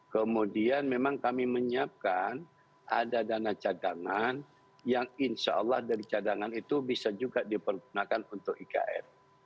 kemudian memang kami menyiapkan ada dana cadangan yang insya allah dari cadangan itu bisa juga dipergunakan untuk ikn